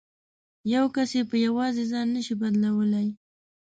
یو کس یې په یوازې ځان نه شي بدلولای.